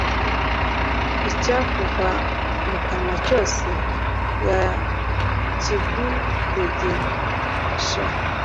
icyakuva mu kanwa cyose, yakigutegesha